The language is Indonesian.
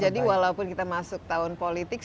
jadi walaupun kita masuk tahun politik